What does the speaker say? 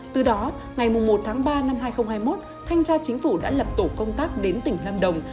từ đó ngày một tháng ba năm hai nghìn hai mươi một thanh tra chính phủ đã lập tổ công tác đến tỉnh lâm đồng